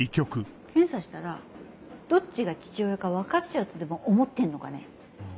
検査したらどっちが父親か分かっちゃうとでも思ってんのかね？